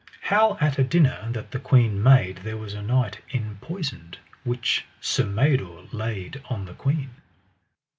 How at a dinner that the queen made there was a knight enpoisoned, which Sir Mador laid on the queen.